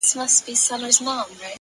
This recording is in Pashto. مهرباني خاموشه اغېز لري.!